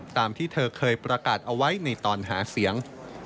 ตามที่เธอเคยประกาศเอาไว้ในตอนหาเสียง